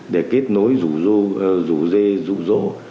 để kết nối rủ dê rủ rỗ